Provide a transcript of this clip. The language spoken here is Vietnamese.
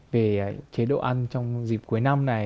về chế độ ăn trong dịp cuối năm này